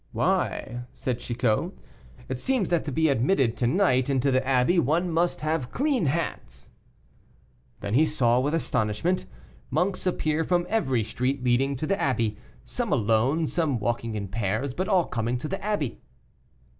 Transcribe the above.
"Why," said Chicot, "it seems that to be admitted to night into the abbey one must have clean hands!" Then he saw, with astonishment, monks appear from every street leading to the abbey, some alone, some walking in pairs, but all coming to the abbey.